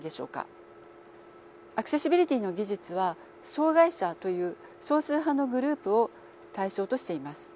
アクセシビリティの技術は障害者という少数派のグループを対象としています。